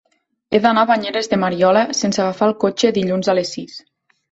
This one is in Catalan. He d'anar a Banyeres de Mariola sense agafar el cotxe dilluns a les sis.